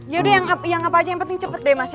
yaudah yang apa aja yang penting cepet deh mas ya